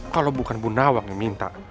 kalau bukan bu nawang yang minta